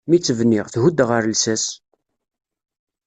Mi tt-bniɣ, thudd ɣer llsas.